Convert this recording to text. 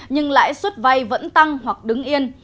nhưng lãi suất vay vẫn tăng hoặc đứng yên